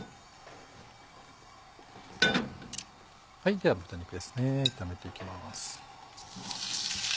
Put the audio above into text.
では豚肉ですね炒めていきます。